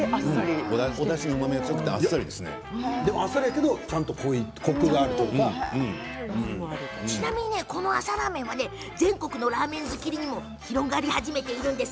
おだしのうまみが濃くてあっさりだけどちなみにこの朝ラーメンは全国のラーメン好きにも広がり始めているんです。